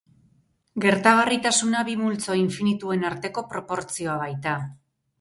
Gertagarritasuna bi multzo infinituen arteko proportzioa baita.